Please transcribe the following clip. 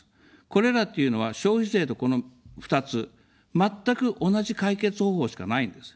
これらというのは消費税と、この２つ、全く同じ解決方法しかないんです。